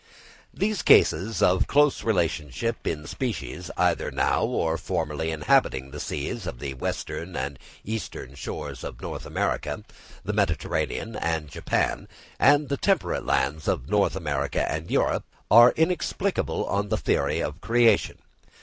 These cases of close relationship in species either now or formerly inhabiting the seas on the eastern and western shores of North America, the Mediterranean and Japan, and the temperate lands of North America and Europe, are inexplicable on the theory of creation.